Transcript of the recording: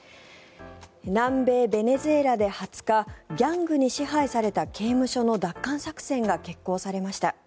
南米ベネズエラで２０日ギャングに支配された刑務所の奪還作戦が決行されました。